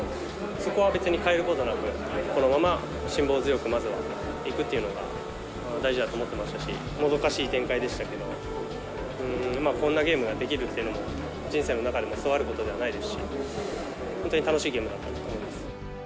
そこは別に変えることなく、このまま辛抱強く、まずはいくというのが大事だと思ってましたし、もどかしい展開でしたけど、こんなゲームができるっていうのも、人生の中でもそうあることじゃないですし、本当に楽しいゲームだったと思います。